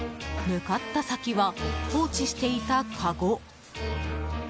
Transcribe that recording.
向かった先は放置していたかご。